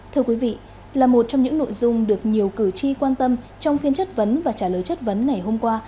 thưa quý vị là một trong những nội dung được nhiều cử tri quan tâm trong phiên chất vấn và trả lời chất vấn ngày hôm qua